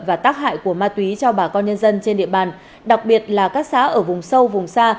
và tác hại của ma túy cho bà con nhân dân trên địa bàn đặc biệt là các xã ở vùng sâu vùng xa